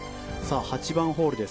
８番ホールです。